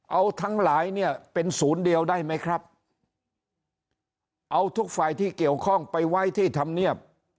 เอาทั้งหลายเนี่ยเป็นศูนย์เดียวได้ไหมครับเอาทุกฝ่ายที่เกี่ยวข้องไปไว้ที่ธรรมเนียบ